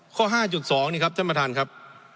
ข้อ๕๒นี่ครับท่านประธานครับ